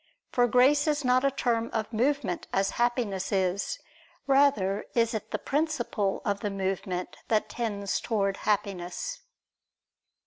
For grace is not a term of movement, as Happiness is; rather is it the principle of the movement that tends towards Happiness.